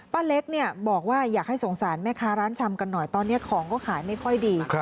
เล็กเนี่ยบอกว่าอยากให้สงสารแม่ค้าร้านชำกันหน่อยตอนนี้ของก็ขายไม่ค่อยดี